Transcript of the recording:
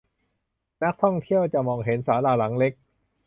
นักท่องเที่ยวจะมองเห็นศาลาหลังเล็ก